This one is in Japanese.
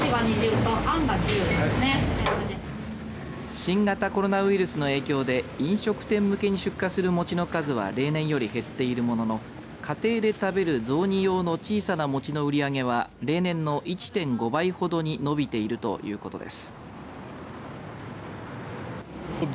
新型コロナウイルスの影響で飲食店向けに出荷する餅の数は例年より減っているものの家庭で食べる雑煮用の小さな餅の売り上げは例年の１．５倍ほどに伸びているということです。